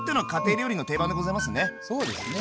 そうですね。